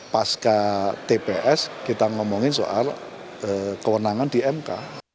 pasca tps kita ngomongin soal kewenangan di mk